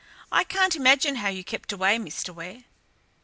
I can't imagine how you kept away, Mr. Ware."